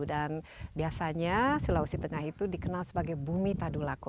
dan biasanya sulawesi tengah itu dikenal sebagai bumi tadulako